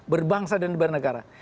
berbangsa dan bernegara